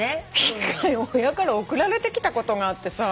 一回親から送られてきたことがあってさ。